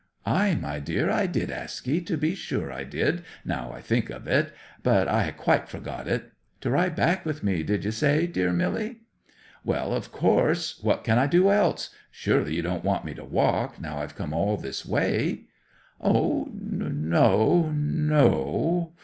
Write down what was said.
'"Ay, my dear, I did ask ye—to be sure I did, now I think of it—but I had quite forgot it. To ride back with me, did you say, dear Milly?" '"Well, of course! What can I do else? Surely you don't want me to walk, now I've come all this way?" '"O no, no!